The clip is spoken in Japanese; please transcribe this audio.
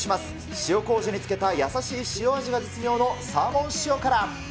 塩こうじに漬けた優しい塩味が絶妙のサーモン塩辛。